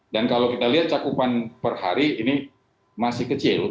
dan kalau kita lihat cakupan per hari ini masih kecil